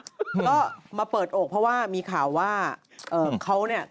แล้วก็มาเปิดโอกเพราะว่ามีข่าวว่าเขาเนี่ย